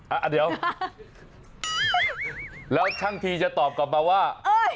อ่ะเดี๋ยวแล้วช่างทีจะตอบกลับมาว่าเอ้ย